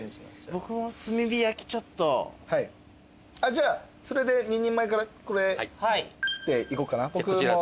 じゃあそれで２人前からこれでいこうかな僕も。